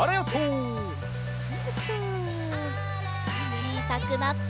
ちいさくなって。